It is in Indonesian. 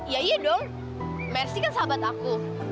ya iya dong mersi kan sahabat aku